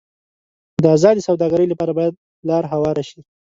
د ازادې سوداګرۍ لپاره باید لار هواره شي.